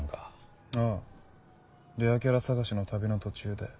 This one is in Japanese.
ああレアキャラ探しの旅の途中で。